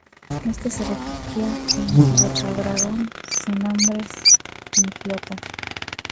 Éste se refugia en Rocadragón, sin hombres ni flota.